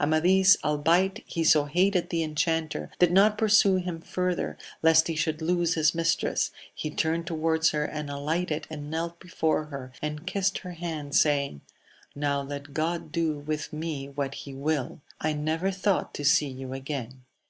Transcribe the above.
Amadis, albeit he so hated the enchanter, did not pursue him further, lest he should lose his mistress, he turned towards her, and alighted and knelt before her, and kissed her hand, saying, Now let God do with me what he will ! I never thought to see you again.